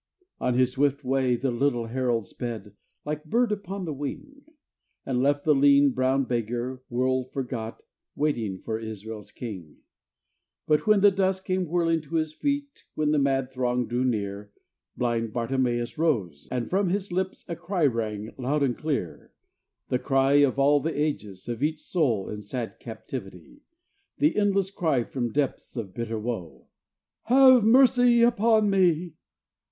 On his swift way the little herald sped, Like bird upon the wing, And left the lean, brown beggar world forgot Waiting for Israel's King. But when the dust came whirling to his feet When the mad throng drew near Blind Bartimeus rose, and from his lips A cry rang loud and clear The cry of all the ages, of each soul In sad captivity; The endless cry from depths of bitter woe "Have mercy upon me!"